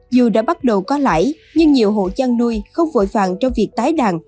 dù đã bắt đầu có lãi nhưng nhiều hộ chăn nuôi không vội vàng trong việc tái đàn